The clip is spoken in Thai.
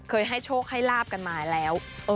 ให้โชคให้ลาบกันมาแล้ว